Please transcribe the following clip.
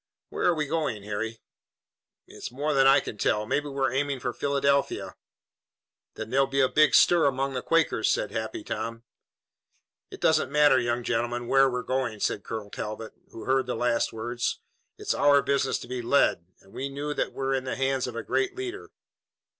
"Where are we going, Harry?" "It's more than I can tell. Maybe we're aiming for Philadelphia." "Then there'll be a big stir among the Quakers," said Happy Tom. "It doesn't matter, young gentlemen, where we're going," said Colonel Talbot, who heard the last words. "It's our business to be led, and we know that we're in the hands of a great leader.